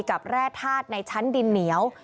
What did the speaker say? แร่ธาตุในชั้นดินเหนียว